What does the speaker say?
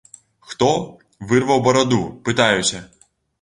Хто вырваў бараду, пытаюся?